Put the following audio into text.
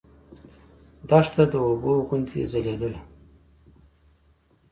دښته د اوبو غوندې ځلېدله.